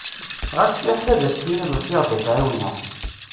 Ɣas fiḥel ad s-tiniḍ usiɣ-d ad k-εawneɣ.